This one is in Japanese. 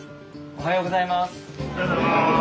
おはようございます。